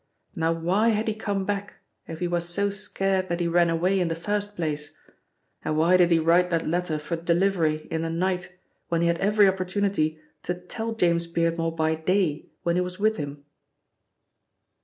Now why had he come back if he was so scared that he ran away in the first place? And why did he write that letter for delivery in the night when he had every opportunity to tell James Beardmore by day, when he was with him?"